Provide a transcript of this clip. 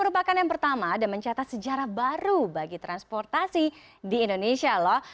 lrt palembang pertama dan mencatat sejarah baru bagi transportasi di indonesia